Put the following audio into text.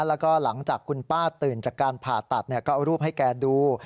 แล้วก็หลังจากคุณป้าตื่นจากการผ่าตัดก็เอารูปให้แกดู